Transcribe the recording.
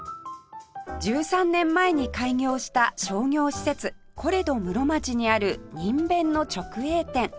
１３年前に開業した商業施設コレド室町にあるにんべんの直営店